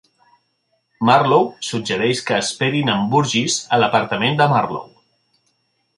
Marlow suggereix que esperin en Burgess a l'apartament de Marlow.